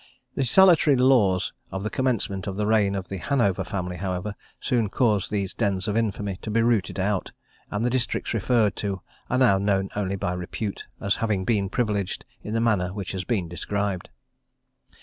The salutary laws of the commencement of the reign of the Hanover family, however, soon caused these dens of infamy to be rooted out; and the districts referred to are now known only by repute, as having been privileged in the manner which has been described.